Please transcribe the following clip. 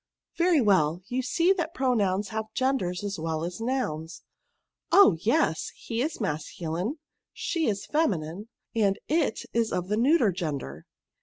*'*' Very well ; you see that pronouns have genders as well as nouns." " Oh ! yes, he is masculine ; she is femi nine ; and it is of the neuter gender."